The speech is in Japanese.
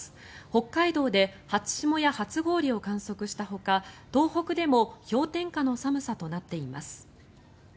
北海道で初霜や初氷を観測したほか東北でも氷点下の寒さとなっています。